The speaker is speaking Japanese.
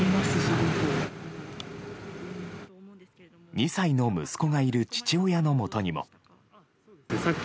２歳の息子がいる父親のもとにも。